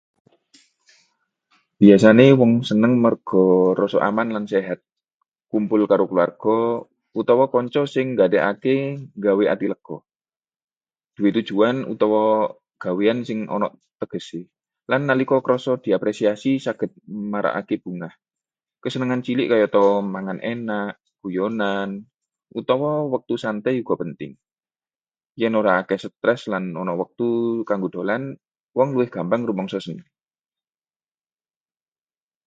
Biasané wong seneng merga rasa aman lan sehat. Kumpul karo kulawarga utawa kanca sing nggatekake nggawe ati lega. Duwé tujuan utawa gawéan sing ana tegesé, lan nalika krasa diapresiasi saged marakaké bungah. Kesenengan cilik kayata mangan enak, guyonan, utawa wektu santai uga penting. Yèn ora akèh stres lan ana wektu kanggo dolan, wong luwih gampang rumangsa seneng.